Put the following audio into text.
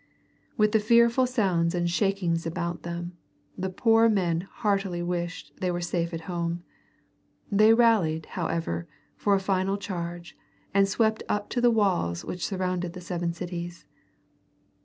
With the fearful sounds and shakings about them, the poor men heartily wished they were safe at home. They rallied, however, for a final charge and swept up to the walls which surrounded the seven cities.